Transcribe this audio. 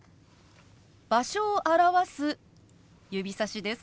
場所を表す指さしです。